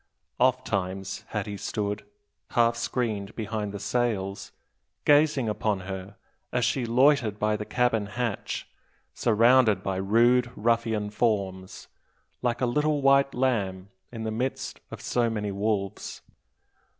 Ofttimes had he stood, half screened behind the sails, gazing upon her as she loitered by the cabin hatch, surrounded by rude ruffian forms, like a little white lamb in the midst of so many wolves.